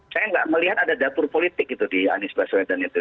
saya nggak melihat ada dapur politik itu di anies baswedan itu